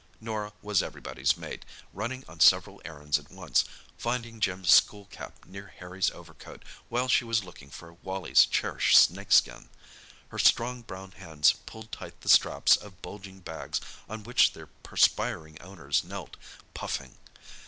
Norah was everybody's mate, running on several errands at once, finding Jim's school cap near Harry's overcoat while she was looking for Wally's cherished snake skin. Her strong brown hands pulled tight the straps of bulging bags on which their perspiring owners knelt, puffing.